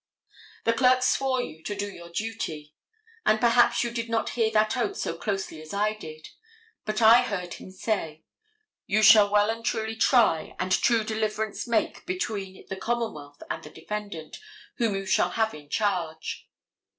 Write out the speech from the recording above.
The clerk swore you to your duty, and perhaps you did not hear that oath so closely as I did. But I heard him say, "You shall well and truly try and true deliverance make between the commonwealth and the defendant, whom you shall have in charge."